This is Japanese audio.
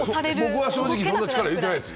僕は正直そこまで力入れてないです。